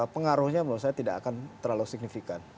pengaruhnya menurut saya tidak akan terlalu signifikan